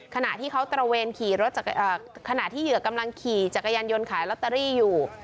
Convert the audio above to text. ขณะที่เขาตระเวนขี่รถขณะที่เหยื่อกำลังขี่จักรยานยนต์ขายลอตเตอรี่อยู่